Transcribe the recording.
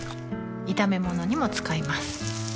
炒め物にも使います